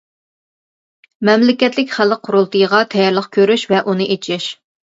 مەملىكەتلىك خەلق قۇرۇلتىيىغا تەييارلىق كۆرۈش ۋە ئۇنى ئېچىش.